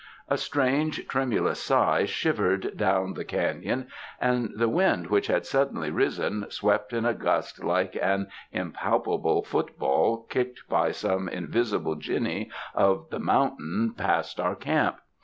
A strange, tremulous sigh shivered down the canon, and the wind which had suddenly risen, swept in a gust like an impalpable football kicked by some invisible jinnee of the mountain, past our camp.